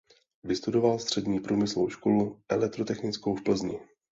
Vystudoval střední průmyslovou školu elektrotechnickou v Plzni.